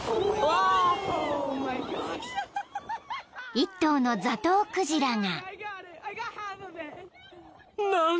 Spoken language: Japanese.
［一頭のザトウクジラが］